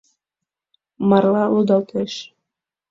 Марла лудалтеш...